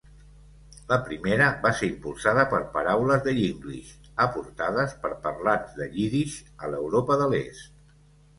La primera va ser impulsada per paraules de Yinglish aportades per parlants de Yiddish a l'Europa de l'Est.